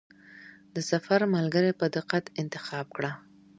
د سفر ملګری په دقت انتخاب کړه.